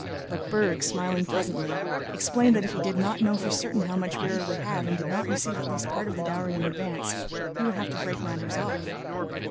But Berg, smiling pleasantly, explained that if he did not know for certain how much Véra would have and did not receive at least part of the dowry in advance, he would have to break matters off.